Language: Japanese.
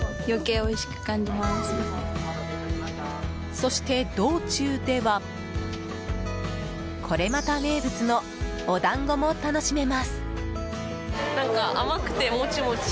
そして、道中ではこれまた名物のお団子も楽しめます。